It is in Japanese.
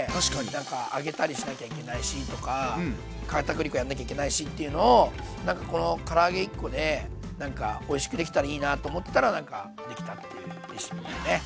なんか揚げたりしなきゃいけないしとかかたくり粉やんなきゃいけないしっていうのをなんかこのから揚げ１個でおいしくできたらいいなと思ったらなんかできたっていうレシピだね。